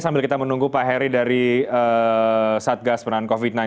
sambil kita menunggu pak heri dari satgas penanganan covid sembilan belas